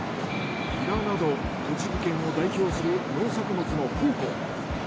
ニラなど栃木県を代表する農作物の宝庫。